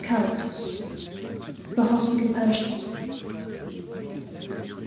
CHAPTER VI. THE HOSPITAL PATIENT.